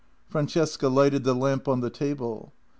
Francesca lighted the lamp on the table.